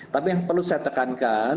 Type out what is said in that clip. tapi yang perlu saya tekankan